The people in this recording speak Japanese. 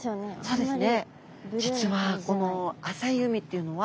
そうですね。